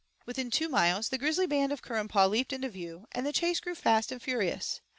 Within two miles, the grizzly band of Currumpaw leaped into view, and the chase grew fast and furious.